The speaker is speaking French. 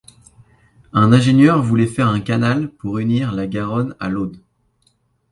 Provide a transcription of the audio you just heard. Un ingénieur voulait faire un canal pour unir la Garonne à l'Aude.